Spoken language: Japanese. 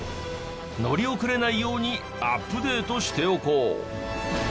乗り遅れないようにアップデートしておこう。